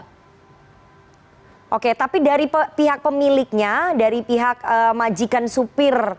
hai oke tapi dari pihak pemiliknya dari pihak majikan supir